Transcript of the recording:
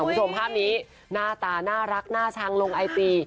คุณส่งภาพนี้หน้าตาน่ารักหน้าชังลงไอตี